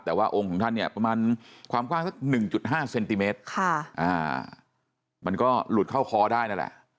แต่ว่าองค์ของท่านเนี่ยประมาณความกว้างสัก๑๕เซนติเมตรมันก็หลุดเข้าคอได้นั่นแหละ